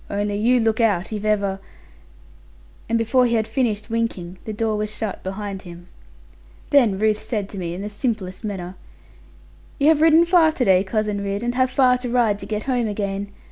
Only you look out, if ever' and before he had finished winking, the door was shut behind him. Then Ruth said to me in the simplest manner, 'You have ridden far today, Cousin Ridd; and have far to ride to get home again.